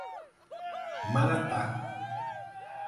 Maratá